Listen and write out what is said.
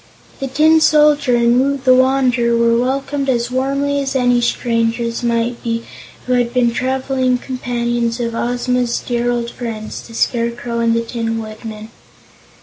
The Tin Soldier and Woot the Wanderer were welcomed as warmly as any strangers might be who had been the traveling companions of Ozma's dear old friends, the Scarecrow and the Tin Woodman.